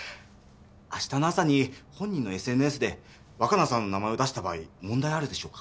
あしたの朝に本人のＳＮＳで若菜さんの名前を出した場合問題あるでしょうか？